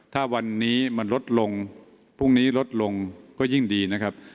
ถ้าวันนี้มันลดลงพรุ่งนี้ลดลงก็ยิ่งดีนะครับ